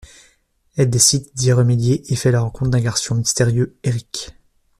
Elle décide d'y remédier et fait la rencontre d'un garçon mystérieux, Eric.